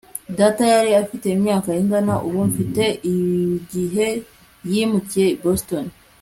Data yari afite imyaka ingana ubu mfite igihe yimukiye i Boston